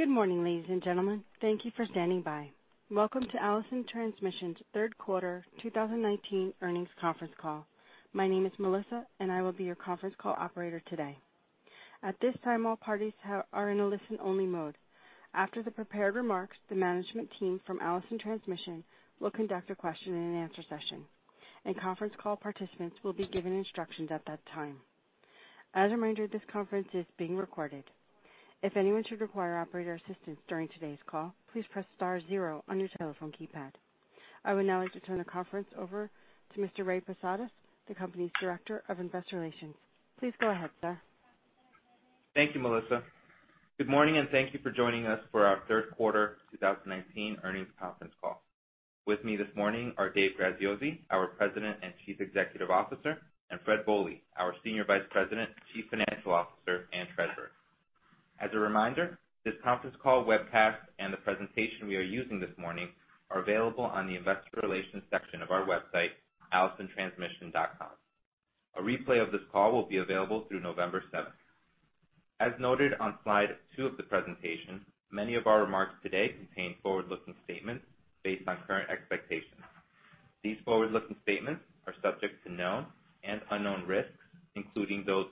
Good morning, ladies and gentlemen. Thank you for standing by. Welcome to Allison Transmission's Third Quarter 2019 Earnings Conference call. My name is Melissa, and I will be your conference call operator today. At this time, all parties are in a listen-only mode. After the prepared remarks, the management team from Allison Transmission will conduct a question-and-answer session, and conference call participants will be given instructions at that time. As a reminder, this conference is being recorded. If anyone should require operator assistance during today's call, please press star zero on your telephone keypad. I would now like to turn the conference over to Mr. Ray Posadas, the company's Director of Investor Relations. Please go ahead, sir. Thank you, Melissa. Good morning, and thank you for joining us for our third quarter 2019 earnings conference call. With me this morning are Dave Graziosi, our President and Chief Executive Officer, and Fred Bohley, our Senior Vice President, Chief Financial Officer, and Treasurer. As a reminder, this conference call webcast and the presentation we are using this morning are available on the investor relations section of our website, allisontransmission.com. A replay of this call will be available through November 7. As noted on slide two of the presentation, many of our remarks today contain forward-looking statements based on current expectations. These forward-looking statements are subject to known and unknown risks, including those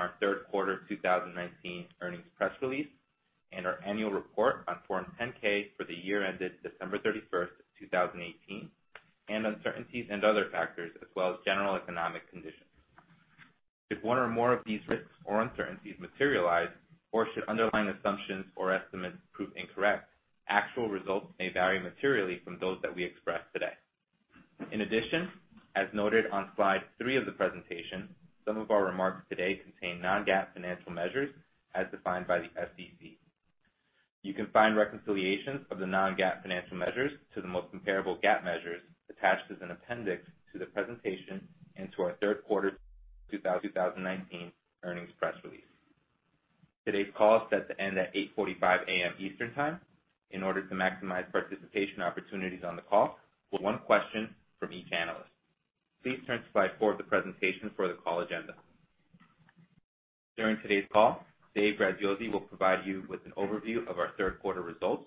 set forth in our third quarter 2019 earnings press release and our annual report on Form 10-K for the year ended December 31st, 2018, and uncertainties and other factors, as well as general economic conditions. If one or more of these risks or uncertainties materialize, or should underlying assumptions or estimates prove incorrect, actual results may vary materially from those that we express today. In addition, as noted on slide three of the presentation, some of our remarks today contain non-GAAP financial measures as defined by the SEC. You can find reconciliations of the non-GAAP financial measures to the most comparable GAAP measures attached as an appendix to the presentation and to our third quarter 2019 earnings press release. Today's call is set to end at 8:45 A.M. Eastern Time. In order to maximize participation opportunities on the call, we'll have one question from each analyst. Please turn to slide four of the presentation for the call agenda. During today's call, Dave Graziosi will provide you with an overview of our third quarter results.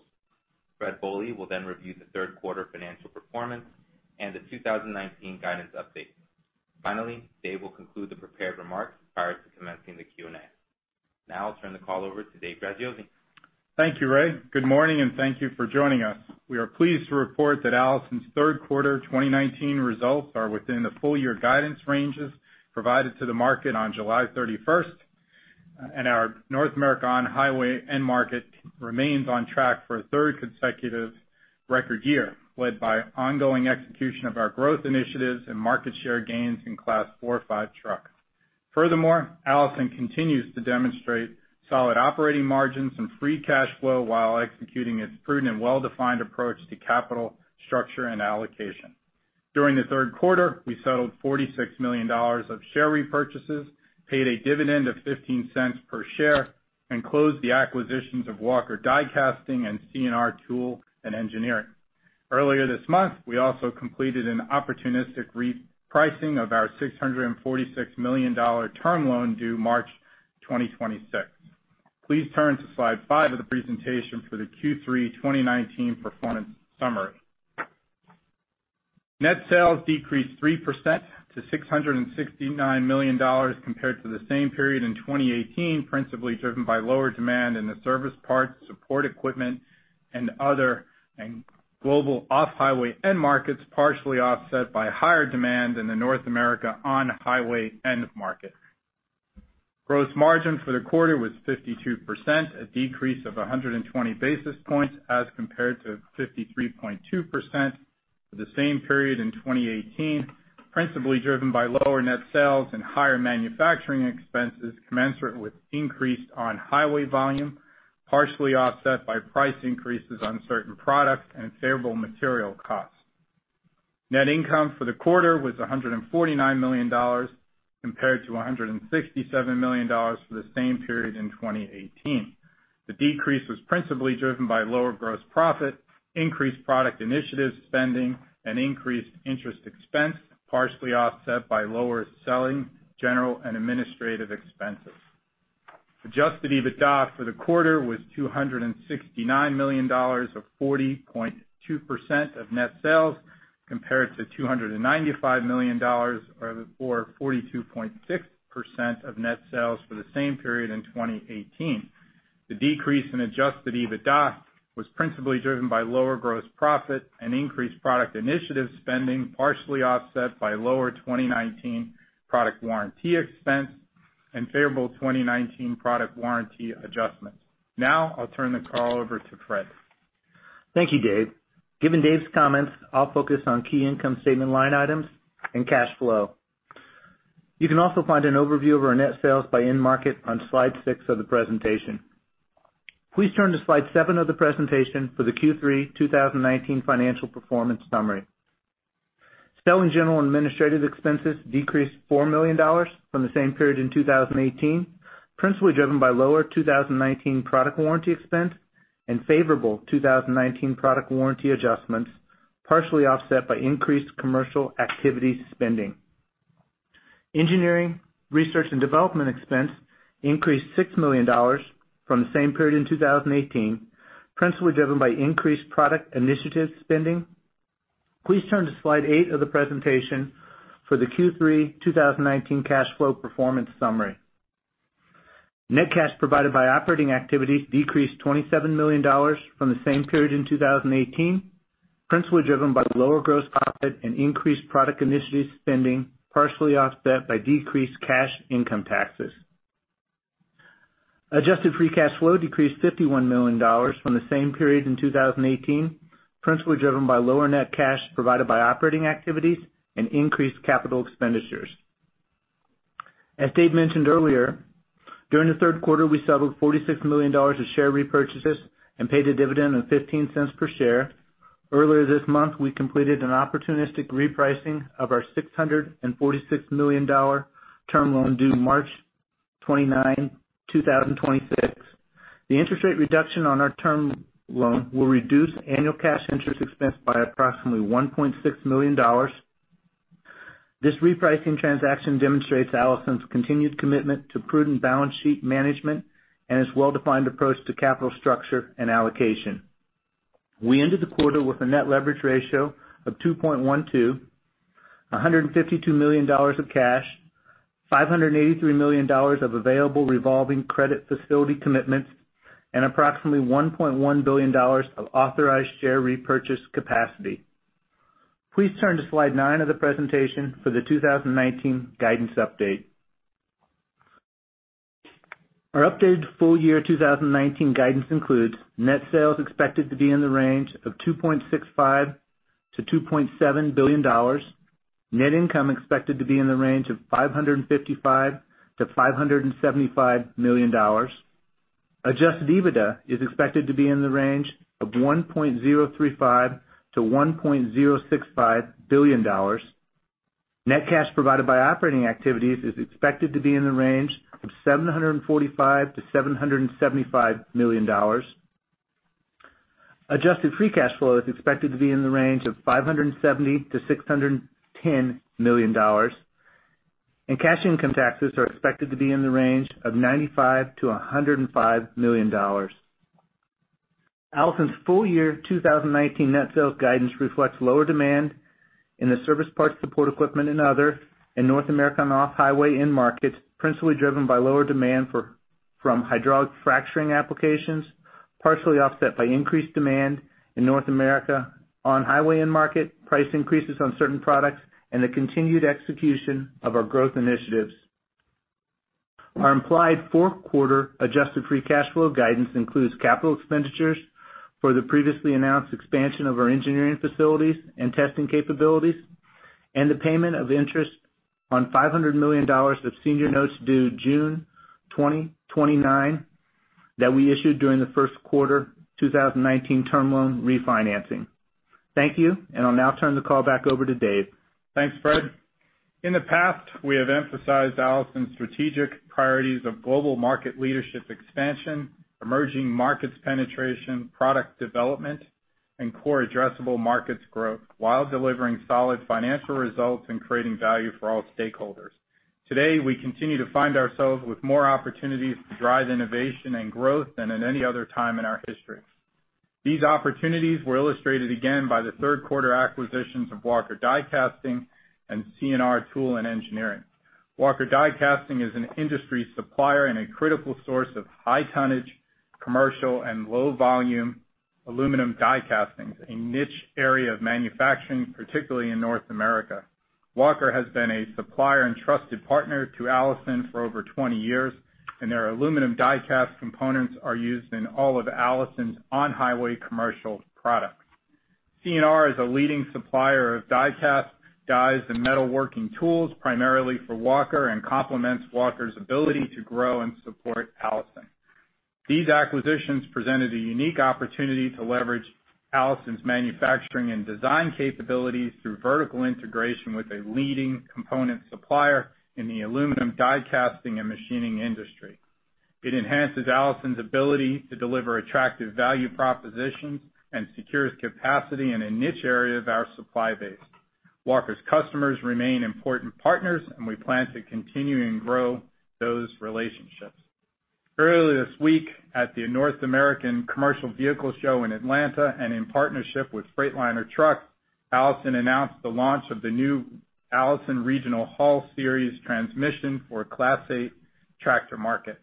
Fred Bohley will then review the third quarter financial performance and the 2019 guidance update. Finally, Dave will conclude the prepared remarks prior to commencing the Q and A. Now I'll turn the call over to Dave Graziosi. Thank you, Ray. Good morning, and thank you for joining us. We are pleased to report that Allison's third quarter 2019 results are within the full year guidance ranges provided to the market on July 31, and our North America On-Highway end market remains on track for a third consecutive record year, led by ongoing execution of our growth initiatives and market share gains in Class 4, 5 trucks. Furthermore, Allison continues to demonstrate solid operating margins and free cash flow while executing its prudent and well-defined approach to capital structure and allocation. During the third quarter, we settled $46 million of share repurchases, paid a dividend of $0.15 per share, and closed the acquisitions of Walker Die Casting and C&R Tool and Engineering. Earlier this month, we also completed an opportunistic repricing of our $646 million term loan due March 2026. Please turn to slide five of the presentation for the Q3 2019 performance summary. Net sales decreased 3% to $669 million compared to the same period in 2018, principally driven by lower demand in the Service, Parts, Support Equipment, and Other and Global Off-Highway end markets, partially offset by higher demand in the North America On-Highway end market. Gross margin for the quarter was 52%, a decrease of 120 basis points, as compared to 53.2% for the same period in 2018, principally driven by lower net sales and higher manufacturing expenses, commensurate with increased on-highway volume, partially offset by price increases on certain products and favorable material costs. Net income for the quarter was $149 million, compared to $167 million for the same period in 2018. The decrease was principally driven by lower gross profit, increased product initiative spending, and increased interest expense, partially offset by lower selling, general, and administrative expenses. Adjusted EBITDA for the quarter was $269 million, or 40.2% of net sales, compared to $295 million, or 42.6% of net sales for the same period in 2018. The decrease in adjusted EBITDA was principally driven by lower gross profit and increased product initiative spending, partially offset by lower 2019 product warranty expense and favorable 2019 product warranty adjustments. Now I'll turn the call over to Fred. Thank you, Dave. Given Dave's comments, I'll focus on key income statement line items and cash flow. You can also find an overview of our net sales by end market on slide six of the presentation. Please turn to slide seven of the presentation for the Q3 2019 financial performance summary. Selling, general, and administrative expenses decreased $4 million from the same period in 2018, principally driven by lower 2019 product warranty expense and favorable 2019 product warranty adjustments, partially offset by increased commercial activity spending. Engineering, research and development expense increased $6 million from the same period in 2018, principally driven by increased product initiative spending. Please turn to slide eight of the presentation for the Q3 2019 cash flow performance summary. Net cash provided by operating activities decreased $27 million from the same period in 2018, principally driven by lower gross profit and increased product initiative spending, partially offset by decreased cash income taxes. Adjusted free cash flow decreased $51 million from the same period in 2018, principally driven by lower net cash provided by operating activities and increased capital expenditures. As Dave mentioned earlier, during the third quarter, we settled $46 million of share repurchases and paid a dividend of $0.15 per share. Earlier this month, we completed an opportunistic repricing of our $646 million term loan due March 29, 2026. The interest rate reduction on our term loan will reduce annual cash interest expense by approximately $1.6 million. This repricing transaction demonstrates Allison's continued commitment to prudent balance sheet management and its well-defined approach to capital structure and allocation. We ended the quarter with a net leverage ratio of 2.12, $152 million of cash, $583 million of available revolving credit facility commitments, and approximately $1.1 billion of authorized share repurchase capacity. Please turn to slide nine of the presentation for the 2019 guidance update. Our updated full year 2019 guidance includes net sales expected to be in the range of $2.65 billion-$2.7 billion. Net income expected to be in the range of $555 million-$575 million. Adjusted EBITDA is expected to be in the range of $1.035 billion-$1.065 billion. Net cash provided by operating activities is expected to be in the range of $745 million-$775 million. Adjusted free cash flow is expected to be in the range of $570 million-$610 million, and cash income taxes are expected to be in the range of $95 million-$105 million. Allison's full year 2019 net sales guidance reflects lower demand in the Service, Parts, Support Equipment and Other in North America and Off-Highway end markets, principally driven by lower demand from hydraulic fracturing applications, partially offset by increased demand in North America On-Highway end market, price increases on certain products, and the continued execution of our growth initiatives. Our implied fourth quarter adjusted free cash flow guidance includes capital expenditures for the previously announced expansion of our engineering facilities and testing capabilities, and the payment of interest on $500 million of senior notes due June 20, 2029, that we issued during the first quarter 2019 term loan refinancing. Thank you, and I'll now turn the call back over to Dave. Thanks, Fred. In the past, we have emphasized Allison's strategic priorities of global market leadership expansion, emerging markets penetration, product development, and core addressable markets growth while delivering solid financial results and creating value for all stakeholders. Today, we continue to find ourselves with more opportunities to drive innovation and growth than at any other time in our history. These opportunities were illustrated again by the third quarter acquisitions of Walker Die Casting and C&R Tool and Engineering. Walker Die Casting is an industry supplier and a critical source of high tonnage, commercial, and low volume aluminum die castings, a niche area of manufacturing, particularly in North America. Walker has been a supplier and trusted partner to Allison for over 20 years, and their aluminum die-cast components are used in all of Allison's on-highway commercial products. C&R is a leading supplier of die-cast dies and metalworking tools, primarily for Walker, and complements Walker's ability to grow and support Allison. These acquisitions presented a unique opportunity to leverage Allison's manufacturing and design capabilities through vertical integration with a leading component supplier in the aluminum die casting and machining industry. It enhances Allison's ability to deliver attractive value propositions and secures capacity in a niche area of our supply base. Walker's customers remain important partners, and we plan to continue and grow those relationships. Earlier this week, at the North American Commercial Vehicle Show in Atlanta and in partnership with Freightliner Trucks, Allison announced the launch of the new Allison Regional Haul Series transmission for Class 8 tractor market.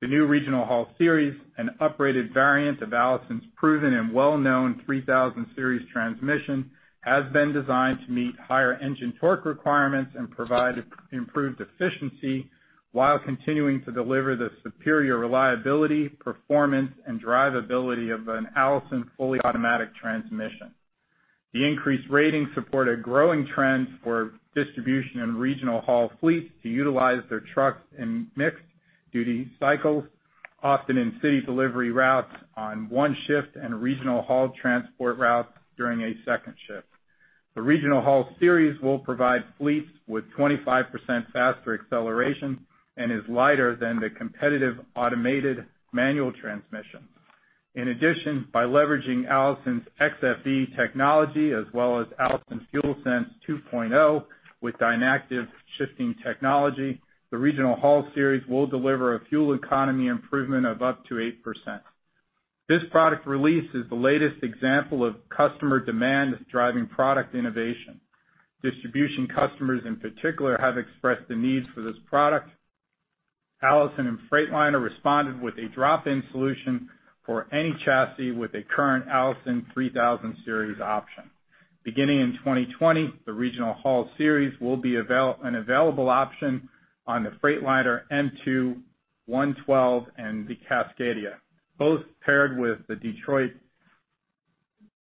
The new Regional Haul Series, an uprated variant of Allison's proven and well-known 3000 Series transmission, has been designed to meet higher engine torque requirements and provide improved efficiency while continuing to deliver the superior reliability, performance, and drivability of an Allison fully automatic transmission. The increased ratings support a growing trend for distribution and regional haul fleets to utilize their trucks in mixed-duty cycles, often in city delivery routes on one shift and regional haul transport routes during a second shift. The Regional Haul Series will provide fleets with 25% faster acceleration and is lighter than the competitive automated manual transmission. In addition, by leveraging Allison's xFE technology as well as Allison's FuelSense 2.0, with DynActive Shifting technology, the Regional Haul Series will deliver a fuel economy improvement of up to 8%. This product release is the latest example of customer demand driving product innovation. Distribution customers, in particular, have expressed the needs for this product. Allison and Freightliner responded with a drop-in solution for any chassis with a current Allison 3000 Series option. Beginning in 2020, the Regional Haul Series will be available on the Freightliner M2 112 and the Cascadia, both paired with the Detroit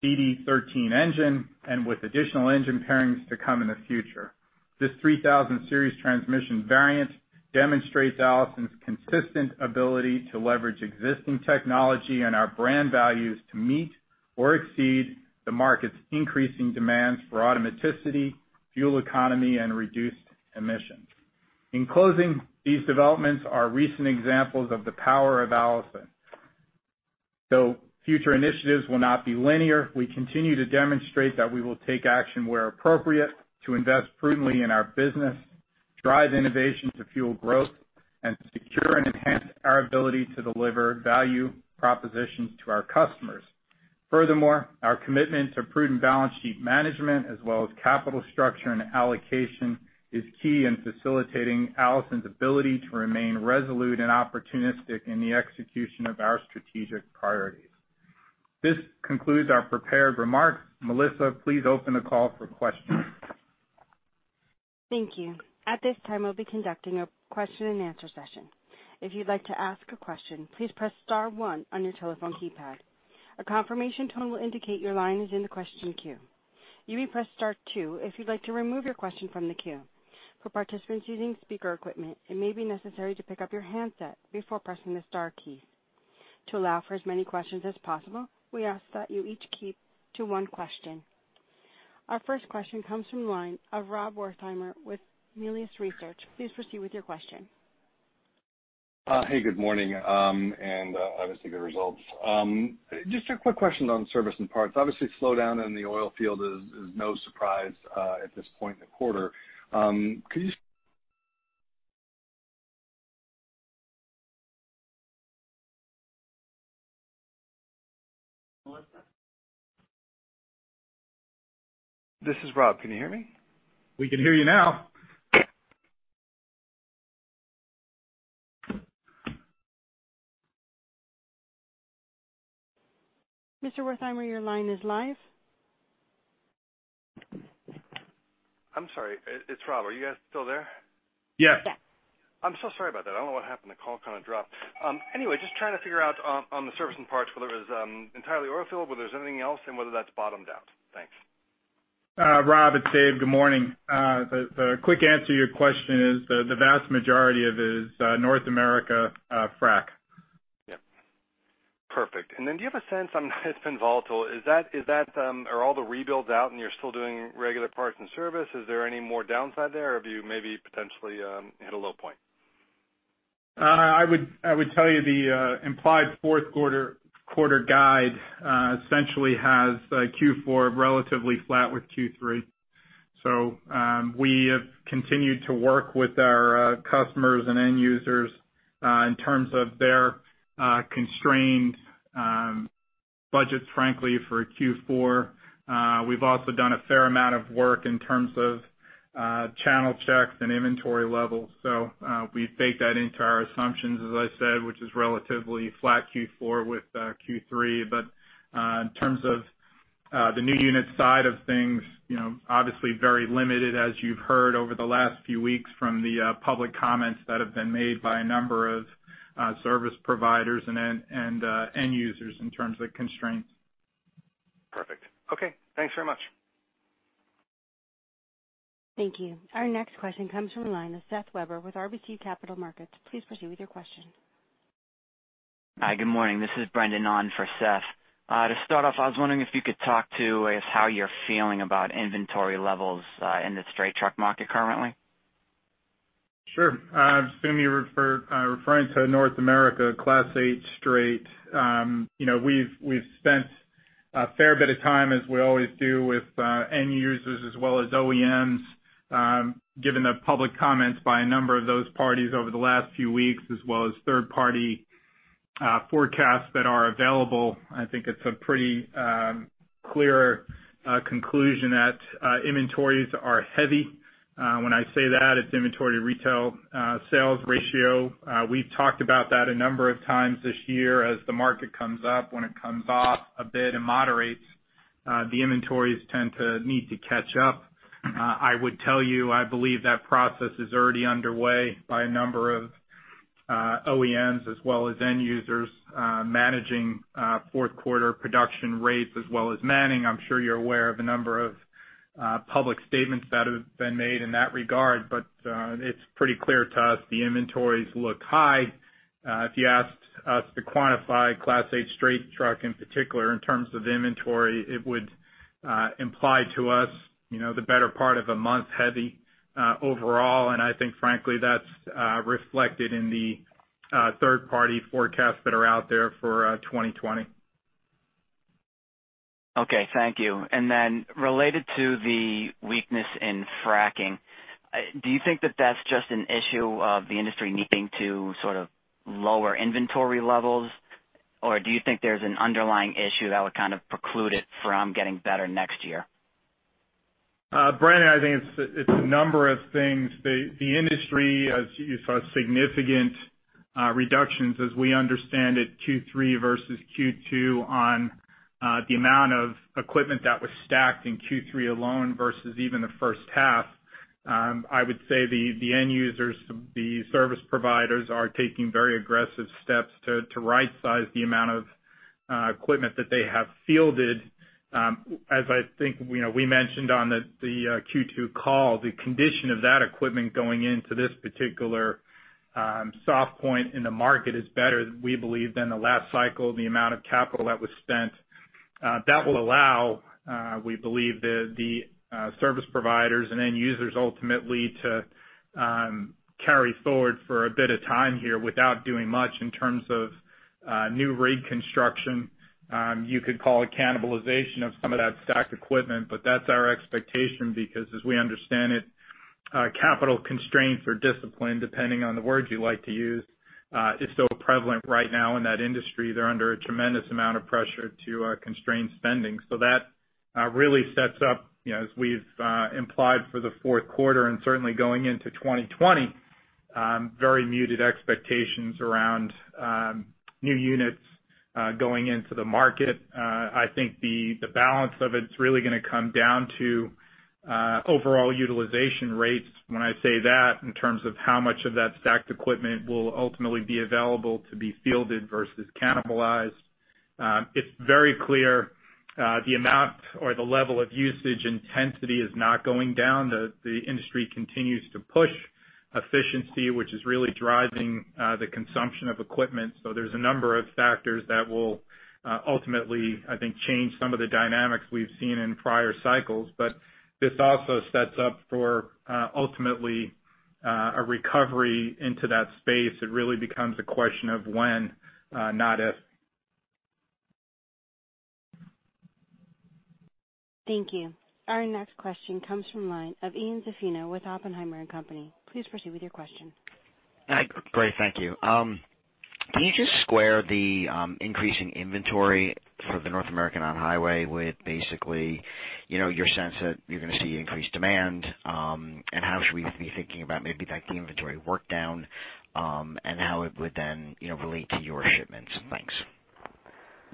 DD13 engine and with additional engine pairings to come in the future. This 3000 Series transmission variant demonstrates Allison's consistent ability to leverage existing technology and our brand values to meet or exceed the market's increasing demands for automaticity, fuel economy, and reduced emissions. In closing, these developments are recent examples of the power of Allison. Though future initiatives will not be linear, we continue to demonstrate that we will take action where appropriate to invest prudently in our business, drive innovation to fuel growth, and secure and enhance our ability to deliver value propositions to our customers. Furthermore, our commitment to prudent balance sheet management as well as capital structure and allocation is key in facilitating Allison's ability to remain resolute and opportunistic in the execution of our strategic priorities. This concludes our prepared remarks. Melissa, please open the call for questions. Thank you. At this time, we'll be conducting a question-and-answer session. If you'd like to ask a question, please press star one on your telephone keypad. A confirmation tone will indicate your line is in the question queue. You may press star two if you'd like to remove your question from the queue. For participants using speaker equipment, it may be necessary to pick up your handset before pressing the star key. To allow for as many questions as possible, we ask that you each keep to one question. Our first question comes from the line of Rob Wertheimer with Melius Research. Please proceed with your question. Hey, good morning, and obviously, good results. Just a quick question on Service and Parts. Obviously, slowdown in the oil field is no surprise at this point in the quarter. Could you- Melissa? This is Rob. Can you hear me? We can hear you now. Mr. Wertheimer, your line is live. I'm sorry, it's Rob. Are you guys still there? Yes. Yes. I'm so sorry about that. I don't know what happened. The call kind of dropped. Anyway, just trying to figure out on the Service and Parts, whether it was entirely oil field, whether there's anything else, and whether that's bottomed out. Thanks. Rob, it's Dave. Good morning. The quick answer to your question is the vast majority of it is North America, frac. Yep. Perfect. And then do you have a sense on it's been volatile, is that, are all the rebuilds out and you're still doing regular parts and service? Is there any more downside there, or have you maybe potentially hit a low point? I would tell you the implied fourth quarter guide essentially has Q4 relatively flat with Q3. So, we have continued to work with our customers and end users in terms of their constrained budgets, frankly, for Q4. We've also done a fair amount of work in terms of channel checks and inventory levels. So, we bake that into our assumptions, as I said, which is relatively flat Q4 with Q3. But, in terms of the new unit side of things, you know, obviously very limited, as you've heard over the last few weeks from the public comments that have been made by a number of service providers and then end users in terms of constraints. Perfect. Okay, thanks very much. Thank you. Our next question comes from the line of Seth Weber with RBC Capital Markets. Please proceed with your question. Hi, good morning. This is Brendan on for Seth. To start off, I was wondering if you could talk to, I guess, how you're feeling about inventory levels in the straight truck market currently. Sure. I assume you're referring to North America, Class 8 straight. You know, we've, we've spent a fair bit of time, as we always do, with end users as well as OEMs. Given the public comments by a number of those parties over the last few weeks, as well as third-party forecasts that are available, I think it's a pretty clear conclusion that inventories are heavy. When I say that, it's inventory retail sales ratio. We've talked about that a number of times this year. As the market comes up, when it comes off a bit and moderates, the inventories tend to need to catch up. I would tell you, I believe that process is already underway by a number of OEMs as well as end users, managing fourth quarter production rates as well as manning. I'm sure you're aware of a number of public statements that have been made in that regard, but it's pretty clear to us the inventories look high. If you asked us to quantify Class 8 straight truck, in particular, in terms of inventory, it would imply to us, you know, the better part of a month heavy, overall, and I think frankly, that's reflected in the third-party forecasts that are out there for 2020. Okay, thank you. And then related to the weakness in fracking, do you think that that's just an issue of the industry needing to sort of lower inventory levels? Or do you think there's an underlying issue that would kind of preclude it from getting better next year? Brendan, I think it's, it's a number of things. The, the industry, as you saw, significant reductions, as we understand it, Q3 versus Q2 on the amount of equipment that was stacked in Q3 alone versus even the first half. I would say the, the end users, the service providers are taking very aggressive steps to, to right size the amount of equipment that they have fielded. As I think, you know, we mentioned on the, the Q2 call, the condition of that equipment going into this particular soft point in the market is better, we believe, than the last cycle, the amount of capital that was spent. That will allow, we believe, the service providers and end users ultimately to carry forward for a bit of time here without doing much in terms of new rig construction. You could call it cannibalization of some of that stacked equipment, but that's our expectation because as we understand it, capital constraints or discipline, depending on the word you like to use, is still prevalent right now in that industry. They're under a tremendous amount of pressure to constrain spending. So that really sets up, you know, as we've implied for the fourth quarter and certainly going into 2020, very muted expectations around new units going into the market. I think the balance of it's really gonna come down to overall utilization rates. When I say that, in terms of how much of that stacked equipment will ultimately be available to be fielded versus cannibalized. It's very clear, the amount or the level of usage intensity is not going down. The industry continues to push efficiency, which is really driving the consumption of equipment. So there's a number of factors that will ultimately, I think, change some of the dynamics we've seen in prior cycles. But this also sets up for ultimately a recovery into that space. It really becomes a question of when, not if. Thank you. Our next question comes from the line of Ian Zaffino with Oppenheimer & Company. Please proceed with your question. Hi. Great, thank you. Can you just square the increase in inventory for the North American On-Highway with basically, you know, your sense that you're going to see increased demand? And how should we be thinking about maybe like the inventory work down, and how it would then, you know, relate to your shipments? Thanks.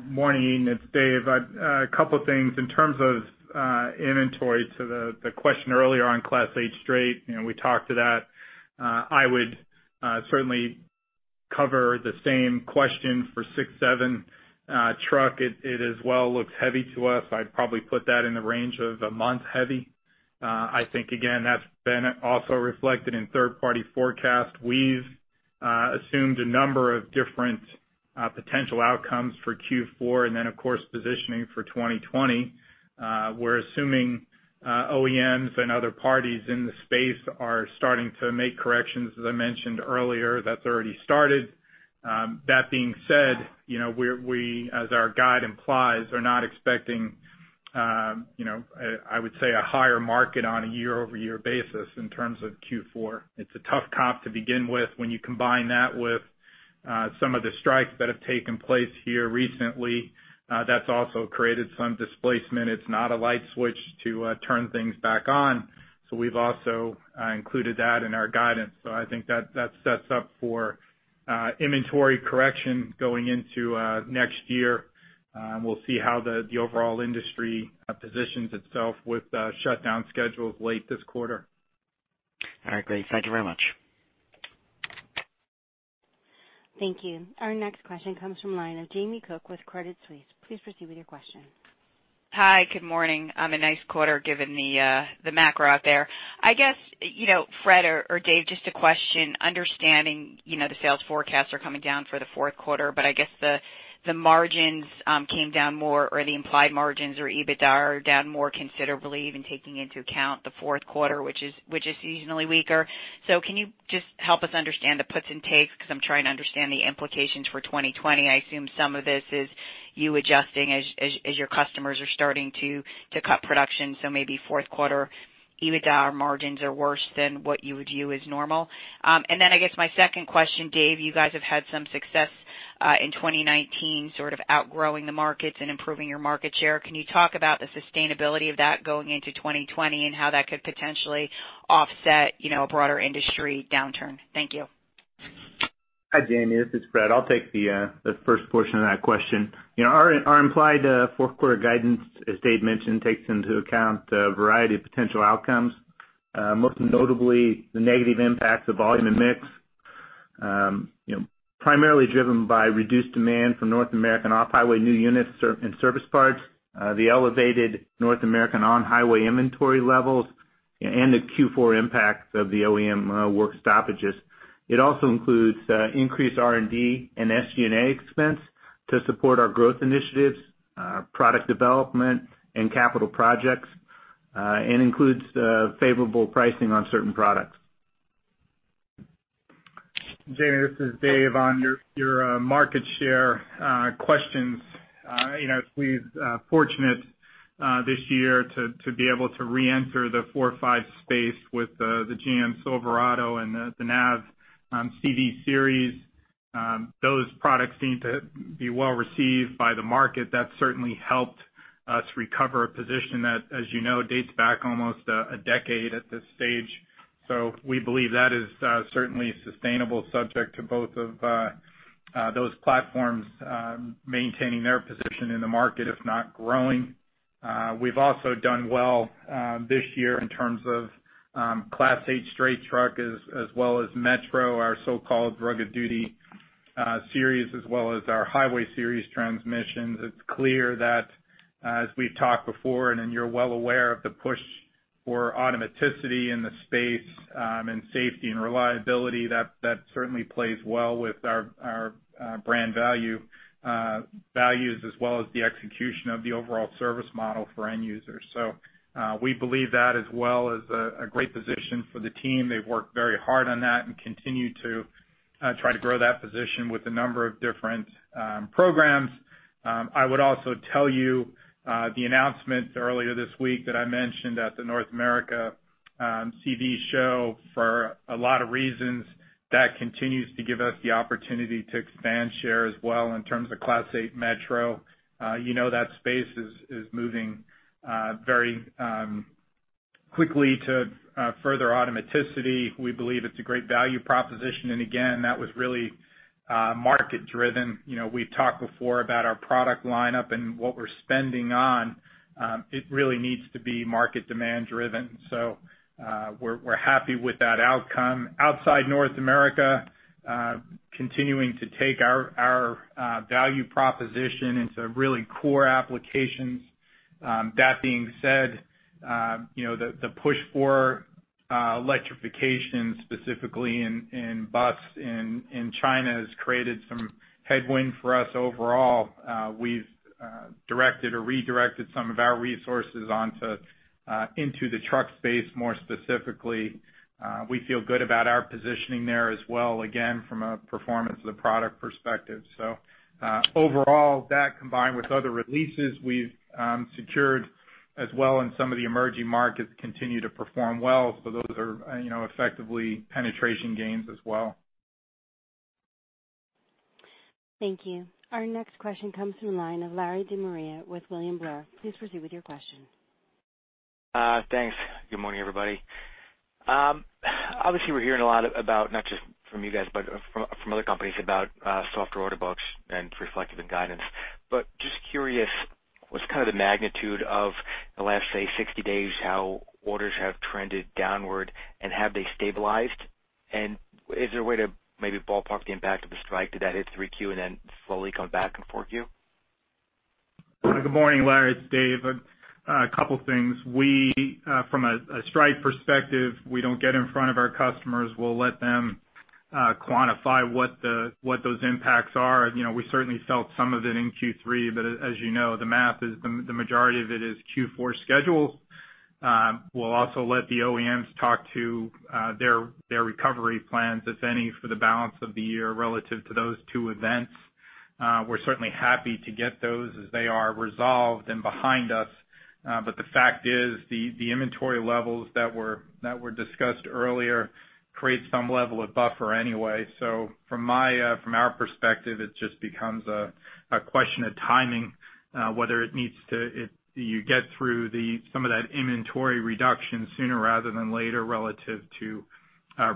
Morning, Ian, it's Dave. A couple of things. In terms of inventory, to the question earlier on Class 8 straight, you know, we talked to that. I would certainly cover the same question for 6, 7 truck. It as well looks heavy to us. I'd probably put that in the range of a month heavy. I think, again, that's been also reflected in third-party forecast. We've assumed a number of different potential outcomes for Q4, and then, of course, positioning for 2020. We're assuming OEMs and other parties in the space are starting to make corrections, as I mentioned earlier, that's already started. That being said, you know, we're, we, as our guide implies, are not expecting, you know, I would say, a higher market on a year-over-year basis in terms of Q4. It's a tough comp to begin with. When you combine that with some of the strikes that have taken place here recently, that's also created some displacement. It's not a light switch to turn things back on. So we've also included that in our guidance. So I think that sets up for inventory correction going into next year. We'll see how the overall industry positions itself with the shutdown schedules late this quarter. All right, great. Thank you very much. Thank you. Our next question comes from line of Jamie Cook with Credit Suisse. Please proceed with your question. Hi, good morning. A nice quarter, given the macro out there. I guess, you know, Fred or Dave, just a question, understanding, you know, the sales forecasts are coming down for the fourth quarter, but I guess the margins came down more or the implied margins or EBITDA are down more considerably, even taking into account the fourth quarter, which is seasonally weaker. So can you just help us understand the puts and takes? Because I'm trying to understand the implications for 2020. I assume some of this is you adjusting as your customers are starting to cut production. So maybe fourth quarter EBITDA margins are worse than what you would view as normal. And then I guess my second question, Dave, you guys have had some success, in 2019, sort of outgrowing the markets and improving your market share. Can you talk about the sustainability of that going into 2020, and how that could potentially offset, you know, a broader industry downturn? Thank you. Hi, Jamie, this is Fred. I'll take the first portion of that question. You know, our implied fourth quarter guidance, as Dave mentioned, takes into account a variety of potential outcomes, most notably the negative impacts of volume and mix. You know, primarily driven by reduced demand from North American Off-Highway new units and service parts, the elevated North American On-Highway inventory levels and the Q4 impacts of the OEM work stoppages. It also includes increased R and D and SG&A expense to support our growth initiatives, product development and capital projects, and includes favorable pricing on certain products.... Jamie, this is Dave. On your market share questions, you know, we've fortunate this year to be able to reenter the 4 or 5 space with the GM Silverado and the NAV CV Series. Those products seem to be well received by the market. That certainly helped us recover a position that, as you know, dates back almost a decade at this stage. So we believe that is certainly sustainable, subject to both of those platforms maintaining their position in the market, if not growing. We've also done well this year in terms of Class 8 straight truck, as well as Metro, our so-called Rugged Duty Series, as well as our Highway Series transmissions. It's clear that, as we've talked before, and then you're well aware of the push for automaticity in the space, and safety and reliability, that certainly plays well with our brand value, values, as well as the execution of the overall service model for end users. So, we believe that as well is a great position for the team. They've worked very hard on that and continue to try to grow that position with a number of different programs. I would also tell you, the announcement earlier this week that I mentioned at the North America CV Show, for a lot of reasons, that continues to give us the opportunity to expand share as well in terms of Class 8 Metro. You know, that space is moving very quickly to further automaticity. We believe it's a great value proposition, and again, that was really market driven. You know, we've talked before about our product lineup and what we're spending on. It really needs to be market demand driven, so we're happy with that outcome. Outside North America, continuing to take our value proposition into really core applications. That being said, you know, the push for electrification, specifically in bus in China, has created some headwind for us overall. We've directed or redirected some of our resources onto into the truck space more specifically. We feel good about our positioning there as well, again, from a performance of the product perspective. So overall, that combined with other releases we've secured as well in some of the emerging markets, continue to perform well. Those are, you know, effectively penetration gains as well. Thank you. Our next question comes from the line of Larry De Maria with William Blair. Please proceed with your question. Thanks. Good morning, everybody. Obviously, we're hearing a lot about, not just from you guys, but from other companies about, softer order books and reflected in guidance. But just curious, what's kind of the magnitude of the last, say, 60 days, how orders have trended downward, and have they stabilized? And is there a way to maybe ballpark the impact of the strike? Did that hit 3Q and then slowly come back in 4Q? Good morning, Larry, it's Dave. A couple things. We, from a strike perspective, we don't get in front of our customers. We'll let them quantify what those impacts are. You know, we certainly felt some of it in Q3, but as you know, the math is, the majority of it is Q4 schedule. We'll also let the OEMs talk to their recovery plans, if any, for the balance of the year relative to those two events. We're certainly happy to get those as they are resolved and behind us, but the fact is, the inventory levels that were discussed earlier create some level of buffer anyway. So from my, from our perspective, it just becomes a question of timing, whether you get through some of that inventory reduction sooner rather than later, relative to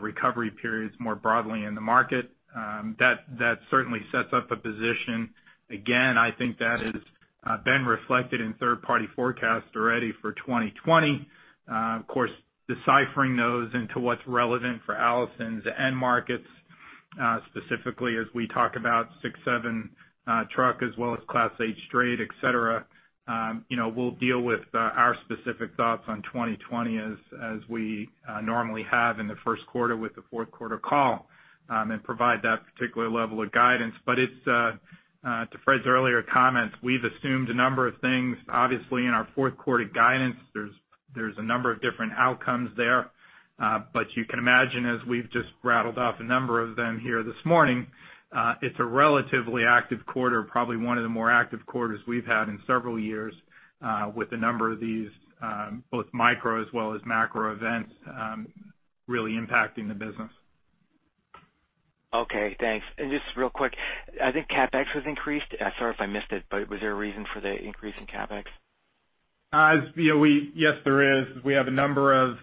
recovery periods more broadly in the market. That certainly sets up a position. Again, I think that has been reflected in third-party forecasts already for 2020. Of course, deciphering those into what's relevant for Allison's end markets, specifically as we talk about 6, 7 truck, as well as Class 8 straight, et cetera, you know, we'll deal with our specific thoughts on 2020 as we normally have in the first quarter with the fourth quarter call, and provide that particular level of guidance. But it's to Fred's earlier comments, we've assumed a number of things. Obviously, in our fourth quarter guidance, there's a number of different outcomes there. But you can imagine, as we've just rattled off a number of them here this morning, it's a relatively active quarter, probably one of the more active quarters we've had in several years, with a number of these, both micro as well as macro events, really impacting the business. Okay, thanks. Just real quick, I think CapEx was increased. Sorry if I missed it, but was there a reason for the increase in CapEx? As you know, yes, there is. We have a number of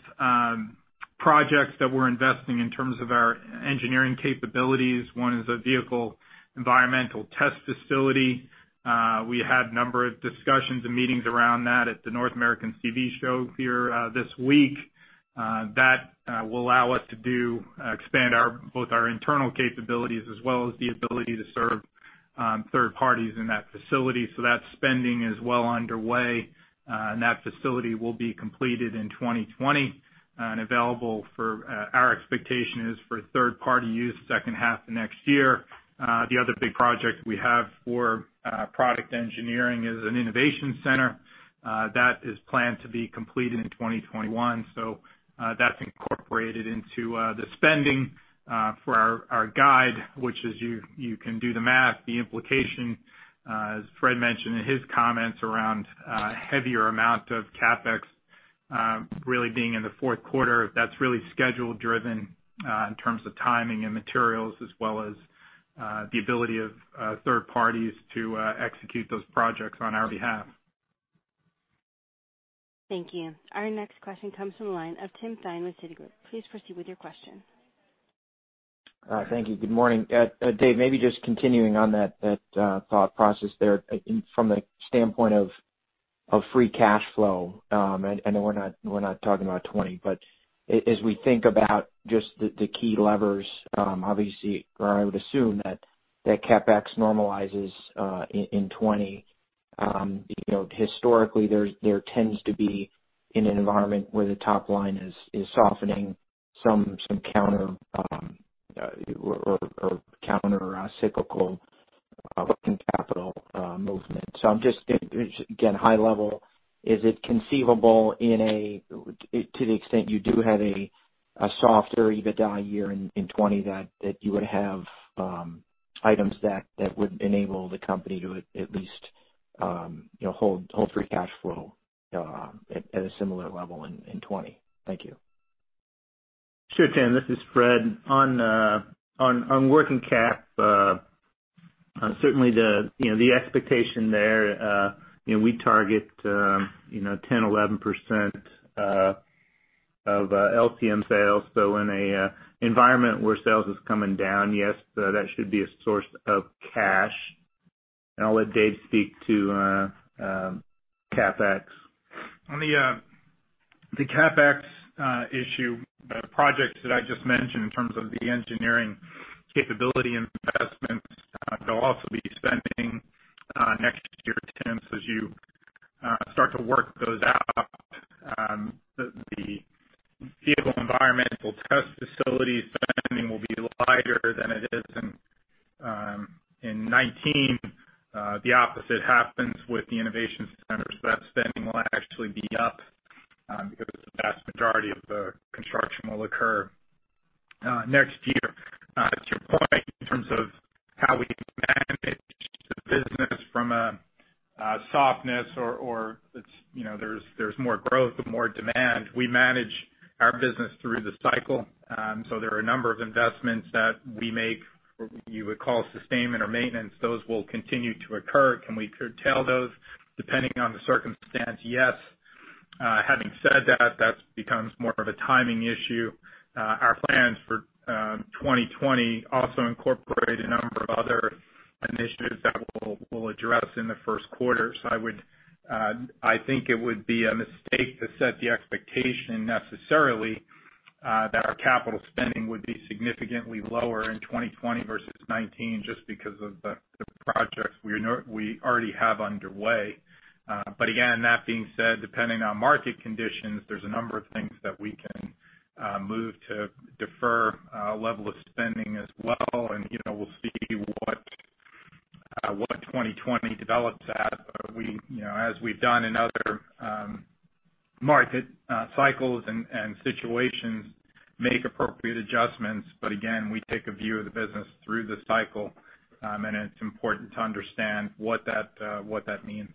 projects that we're investing in terms of our engineering capabilities. One is a Vehicle Environmental Test Facility. We had a number of discussions and meetings around that at the North American CV Show here this week. That will allow us to do expand our both our internal capabilities as well as the ability to serve third parties in that facility. So that spending is well underway and that facility will be completed in 2020 and available for our expectation is for third-party use second half of next year. The other big project we have for product engineering is an Innovation Center. That is planned to be completed in 2021. So, that's incorporated into the spending for our guide, which is you can do the math, the implication, as Fred mentioned in his comments around heavier amount of CapEx really being in the fourth quarter. That's really schedule driven in terms of timing and materials, as well as the ability of third parties to execute those projects on our behalf. Thank you. Our next question comes from the line of Tim Thein with Citigroup. Please proceed with your question. Thank you. Good morning. Dave, maybe just continuing on that thought process there, from the standpoint of free cash flow, and we're not talking about 2020, but as we think about just the key levers, obviously, or I would assume that CapEx normalizes in 2020. You know, historically, there tends to be in an environment where the top line is softening some counter cyclical working capital movement. So I'm just again, high level, is it conceivable, to the extent you do have a softer EBITDA year in 2020, that you would have items that would enable the company to at least, you know, hold free cash flow at a similar level in 2020? Thank you. Sure, Tim. This is Fred. On working cap, certainly the, you know, the expectation there, you know, we target 10%-11% of LTM sales. So in a environment where sales is coming down, yes, that should be a source of cash. And I'll let Dave speak to CapEx. On the CapEx issue, the projects that I just mentioned in terms of the engineering capability investments, they'll also be spending next year, Tim, so as you start to work those out, the Vehicle Environmental Test Facility spending will be lighter than it is in 2019. The opposite happens with the innovation centers. That spending will actually be up, because the vast majority of the construction will occur next year. To your point, in terms of how we manage the business from a softness or it's, you know, there's more growth and more demand, we manage our business through the cycle. So there are a number of investments that we make, you would call sustainment or maintenance, those will continue to occur. Can we curtail those? Depending on the circumstance, yes. Having said that, that becomes more of a timing issue. Our plans for 2020 also incorporate a number of other initiatives that we'll address in the first quarter. So I would, I think it would be a mistake to set the expectation necessarily that our capital spending would be significantly lower in 2020 versus 2019, just because of the projects we already have underway. But again, that being said, depending on market conditions, there's a number of things that we can move to defer level of spending as well. And, you know, we'll see what what 2020 develops at, but we, you know, as we've done in other market cycles and situations, make appropriate adjustments. But again, we take a view of the business through the cycle, and it's important to understand what that means.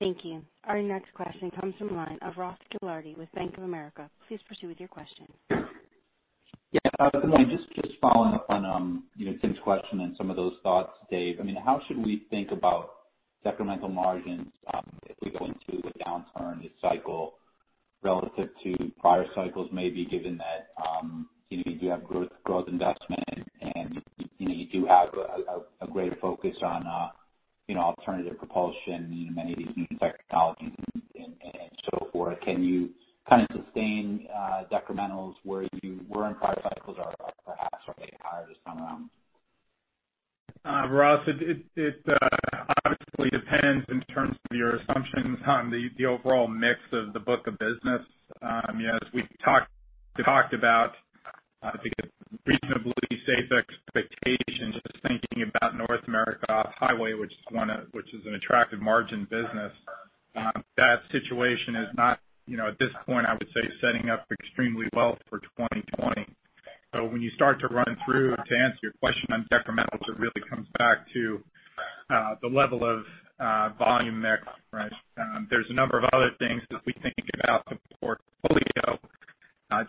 Thank you. Our next question comes from the line of Ross Gilardi with Bank of America. Please proceed with your question. Yeah, just following up on, you know, Tim's question and some of those thoughts, Dave. I mean, how should we think about decremental margins, if we go into a downturn this cycle relative to prior cycles, maybe given that, you know, you do have growth investment, and, you know, you do have a greater focus on, you know, alternative propulsion, many of these new technologies and so forth. Can you kind of sustain decrementals where in prior cycles are perhaps maybe higher this time around? Ross, it obviously depends in terms of your assumptions on the overall mix of the book of business. You know, as we've talked about, I think a reasonably safe expectation, just thinking about North America On-Highway, which is an attractive margin business, that situation is not, you know, at this point, I would say, setting up extremely well for 2020. So when you start to run through, to answer your question on decrementals, it really comes back to the level of volume mix, right? There's a number of other things as we think about the portfolio.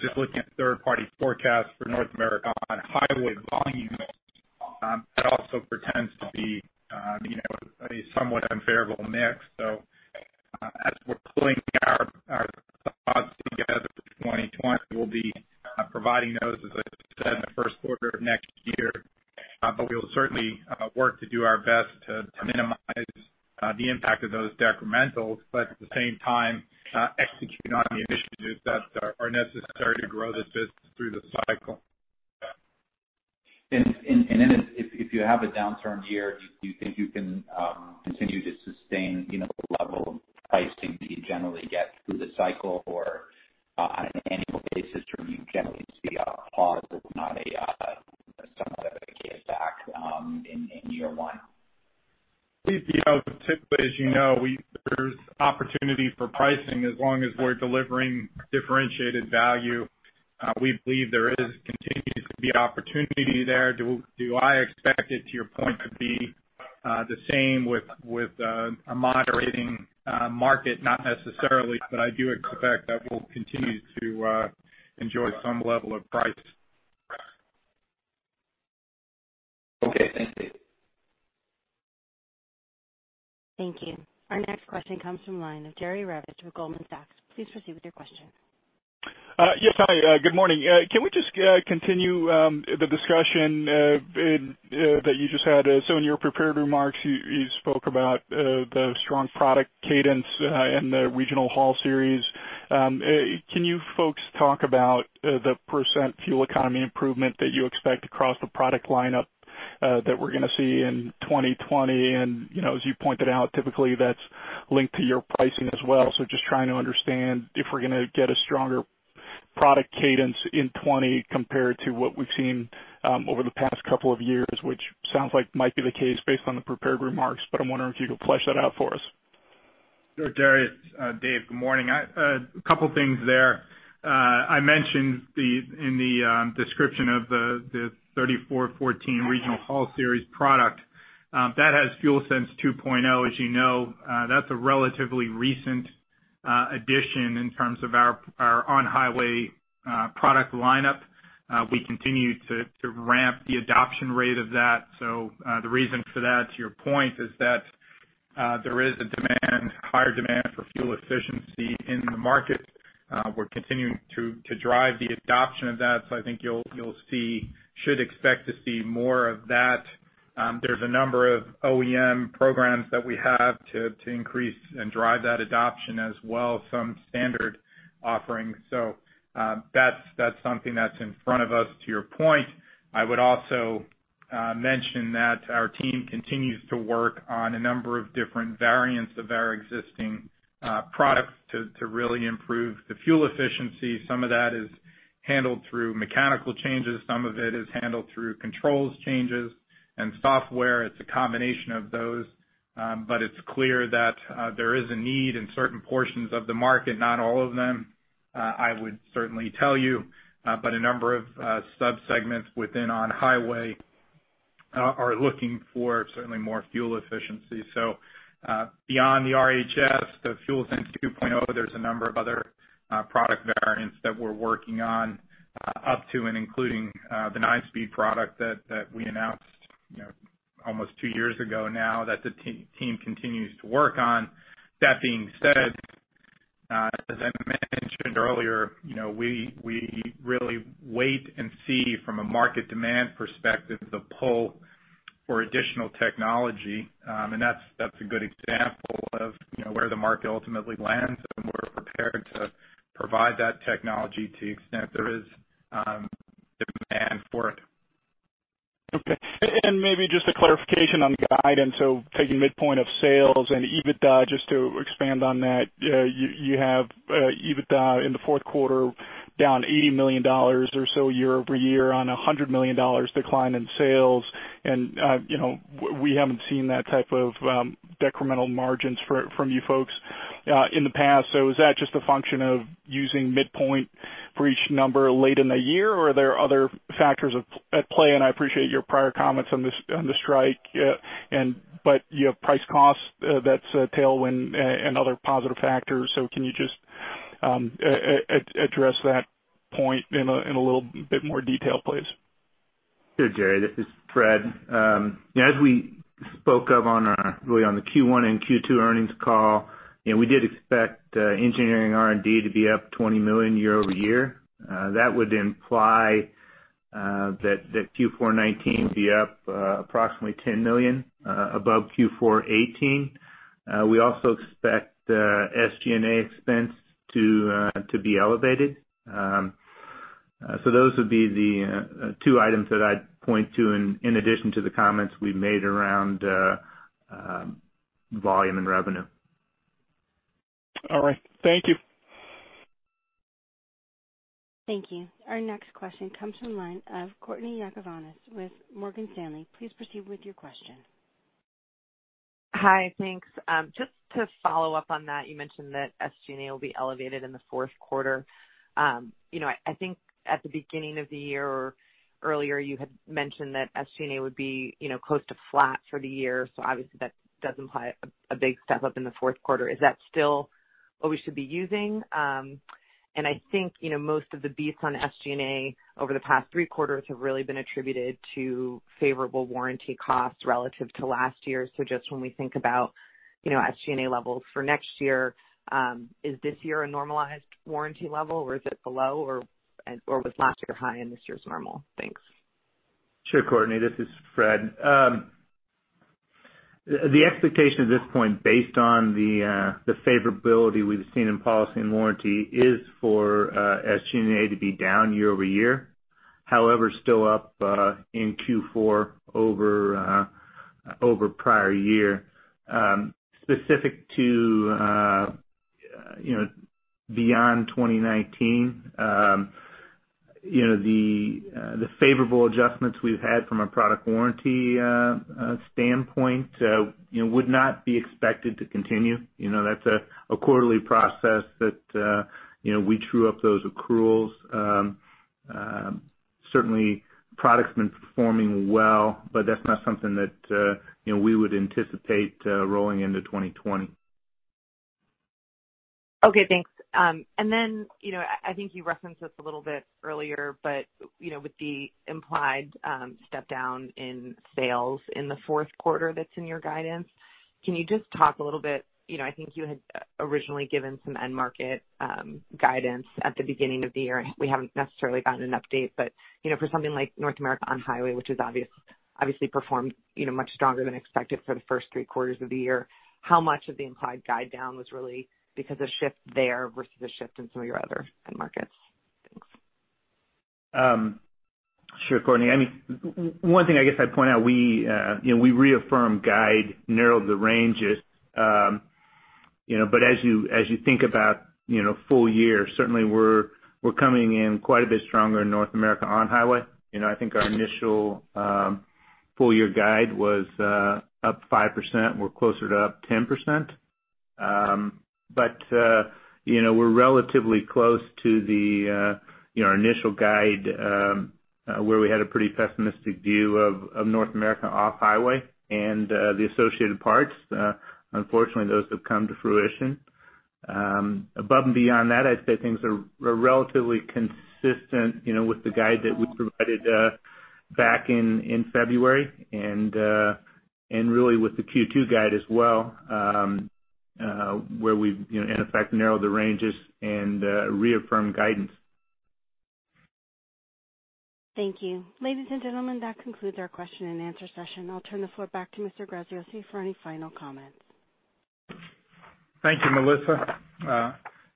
Just looking at third-party forecasts for North America On-Highway volume, that also portends to be, you know, a somewhat unfavorable mix. So, as we're pulling our, our thoughts together for 2020, we'll be providing those, as I said, in the first quarter of next year. But we'll certainly work to do our best to, to minimize the impact of those decrementals, but at the same time execute on the initiatives that are, are necessary to grow the business through the cycle. And then if you have a downturn year, do you think you can continue to sustain, you know, the level of pricing that you generally get through the cycle or on an annual basis, or you generally see a pause, if not a somewhat of a kickback, in year one? We, you know, typically, as you know, there's opportunity for pricing as long as we're delivering differentiated value. We believe there is continues to be opportunity there. Do I expect it, to your point, to be the same with a moderating market? Not necessarily, but I do expect that we'll continue to enjoy some level of price. Okay, thanks, Dave. Thank you. Our next question comes from the line of Jerry Revich with Goldman Sachs. Please proceed with your question. Yes, hi, good morning. Can we just continue the discussion that you just had? So in your prepared remarks, you spoke about the strong product cadence and the Regional Haul Series. Can you folks talk about the percent fuel economy improvement that you expect across the product lineup that we're gonna see in 2020? And, you know, as you pointed out, typically that's linked to your pricing as well. So just trying to understand if we're gonna get a stronger product cadence in 2020 compared to what we've seen over the past couple of years, which sounds like might be the case based on the prepared remarks, but I'm wondering if you could flesh that out for us. Sure, Jerry, Dave, good morning. I a couple things there. I mentioned the, in the, description of the, the 3414 Regional Haul Series product, that has FuelSense 2.0, as you know. That's a relatively recent addition in terms of our on-highway product lineup. We continue to ramp the adoption rate of that. So, the reason for that, to your point, is that, there is a demand, higher demand for fuel efficiency in the market. We're continuing to drive the adoption of that, so I think you'll see- should expect to see more of that. There's a number of OEM programs that we have to increase and drive that adoption as well, some standard offerings. So, that's something that's in front of us, to your point. I would also mention that our team continues to work on a number of different variants of our existing products, to really improve the fuel efficiency. Some of that is handled through mechanical changes. Some of it is handled through controls changes and software. It's a combination of those, but it's clear that there is a need in certain portions of the market, not all of them, I would certainly tell you. But a number of subsegments within on-highway are looking for certainly more fuel efficiency. So, beyond the RHS, the FuelSense 2.0, there's a number of other product variants that we're working on, up to and including the nine-speed product that we announced, you know, almost two years ago now, that the team continues to work on. That being said, as I mentioned earlier, you know, we really wait and see from a market demand perspective, the pull for additional technology. And that's a good example of, you know, where the market ultimately lands, and we're prepared to provide that technology to the extent there is, demand for it. Okay. And maybe just a clarification on the guidance. So taking midpoint of sales and EBITDA, just to expand on that, you have EBITDA in the fourth quarter down $80 million or so year-over-year on a $100 million decline in sales. And you know, we haven't seen that type of decremental margins from you folks in the past. So is that just a function of using midpoint for each number late in the year, or are there other factors at play? And I appreciate your prior comments on the strike, but you have price costs, that's a tailwind, and other positive factors. So can you just address that point in a little bit more detail, please? Sure, Jerry, this is Fred. As we spoke of on our, really, on the Q1 and Q2 earnings call, and we did expect, engineering R and D to be up $20 million year-over-year. That would imply, that, that Q4 2019 be up, approximately $10 million, above Q4 2018. We also expect, SG&A expense to, to be elevated. So those would be the, two items that I'd point to in, in addition to the comments we made around, volume and revenue. All right. Thank you. Thank you. Our next question comes from line of Courtney Yakavonis with Morgan Stanley. Please proceed with your question. Hi, thanks. Just to follow up on that, you mentioned that SG&A will be elevated in the fourth quarter. You know, I think at the beginning of the year or earlier, you had mentioned that SG&A would be, you know, close to flat for the year. So obviously, that does imply a big step up in the fourth quarter. Is that still what we should be using? And I think, you know, most of the beats on SG&A over the past three quarters have really been attributed to favorable warranty costs relative to last year. So just when we think about, you know, SG&A levels for next year, is this year a normalized warranty level, or is it below, or was last year high and this year's normal? Thanks. Sure, Courtney, this is Fred. The expectation at this point, based on the favorability we've seen in policy and warranty, is for SG&A to be down year-over-year, however, still up in Q4 over prior year. Specific to you know, beyond 2019, you know, the favorable adjustments we've had from a product warranty standpoint, you know, would not be expected to continue. You know, that's a quarterly process that you know, we true up those accruals. Certainly, product's been performing well, but that's not something that, you know, we would anticipate, rolling into 2020. Okay, thanks. And then, you know, I think you referenced this a little bit earlier, but, you know, with the implied step down in sales in the fourth quarter that's in your guidance, can you just talk a little bit? You know, I think you had originally given some end market guidance at the beginning of the year, and we haven't necessarily gotten an update. But, you know, for something like North America On-Highway, which is obviously performed much stronger than expected for the first three quarters of the year, how much of the implied guide down was really because of shift there versus a shift in some of your other end markets? Thanks. Sure, Courtney. I mean, one thing I guess I'd point out, we, you know, we reaffirm guide, narrowed the ranges. You know, but as you, as you think about, you know, full year, certainly we're coming in quite a bit stronger in North America On-Highway. You know, I think our initial, full year guide was, up 5%. We're closer to up 10%. But, you know, we're relatively close to the, you know, initial guide, where we had a pretty pessimistic view of, North America Off-Highway and, the associated parts. Unfortunately, those have come to fruition. Above and beyond that, I'd say things are relatively consistent, you know, with the guide that we provided back in February and really with the Q2 guide as well, where we've, you know, in effect, narrowed the ranges and reaffirmed guidance. Thank you. Ladies and gentlemen, that concludes our question and answer session. I'll turn the floor back to Mr. Graziosi for any final comments. Thank you, Melissa.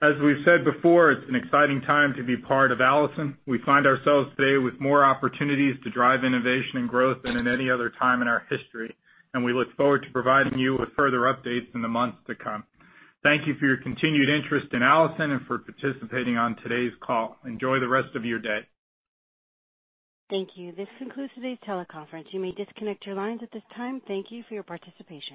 As we've said before, it's an exciting time to be part of Allison. We find ourselves today with more opportunities to drive innovation and growth than in any other time in our history, and we look forward to providing you with further updates in the months to come. Thank you for your continued interest in Allison and for participating on today's call. Enjoy the rest of your day. Thank you. This concludes today's teleconference. You may disconnect your lines at this time. Thank you for your participation.